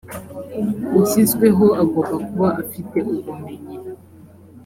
ushyizweho agomba kuba afite ubumenyi